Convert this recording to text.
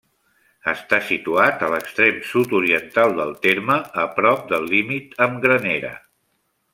Està situat a l'extrem sud-oriental del terme, a prop del límit amb Granera.